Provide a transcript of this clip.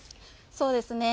そうですね。